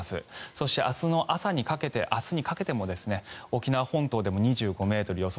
そして明日の朝にかけても沖縄本島でも２５ｍ予想